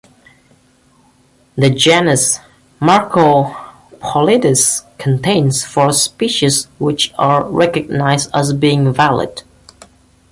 The genus "Macropholidus" contains four species which are recognized as being valid.